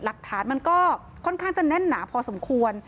หลักฐานมันก็ค่อนข้างจะแน่นหนาพอสมควร